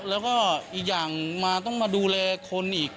แล้วก็อีกอย่างมาต้องมาดูแลคนอีก